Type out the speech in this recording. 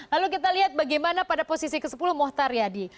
lalu kita lihat bagaimana pada posisi ke sepuluh mohtar yadi